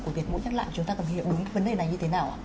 của việc mũi nhắc lại chúng ta cần hiểu vấn đề này như thế nào